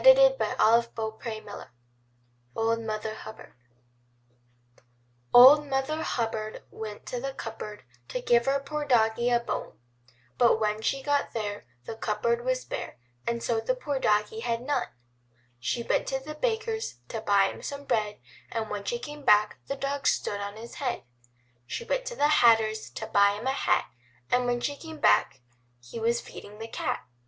^ m '^yf' r.i'/' UBBARD hM n '/>";^ OLD MOTHER H )ffll C^^^ Mother Hubbard, went to the cupboard^ /jH ^^^ To get her poor doggie a bone, But when she got there, the cupboard was bare, And so the poor doggie had none. She went to the Baker's to buy him some bread, And when she came back the dog stood on his head She went to the Hatter's to buy him a hat, And when she came back he was feeding the cat.